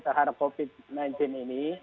terhadap covid sembilan belas ini